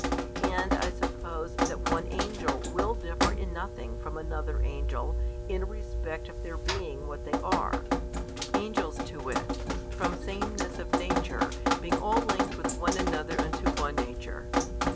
And I suppose that one angel will differ in nothing from another angel in respect of their being what they are, angels to wit, from sameness of nature, being all linked with one another unto one nature.